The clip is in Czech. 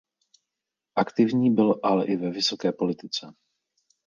Aktivní byl ale i ve vysoké politice.